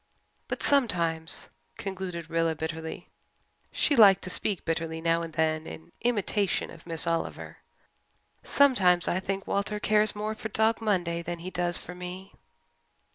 But sometimes," concluded Rilla bitterly she liked to speak bitterly now and then in imitation of Miss Oliver "sometimes I think Walter cares more for Dog Monday than he does for me."